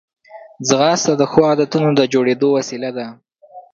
ځغاسته د ښو عادتونو د جوړېدو وسیله ده